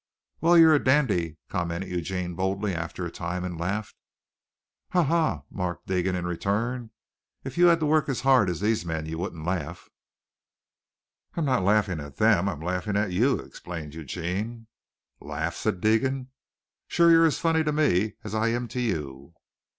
"Well, you're a dandy!" commented Eugene boldly after a time, and laughed. "Ha! ha! ha!" mocked Deegan in return. "If you had to work as harred as these men you wouldn't laugh." "I'm not laughing at them. I'm laughing at you," explained Eugene. "Laugh," said Deegan. "Shure you're as funny to me as I am to you."